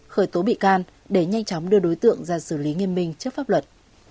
khởi tố bị can để nhanh chóng đưa đối tượng ra xử lý nghiêm minh trước pháp luật